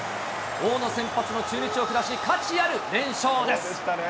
大野先発の中日を下し、価値ある連勝です。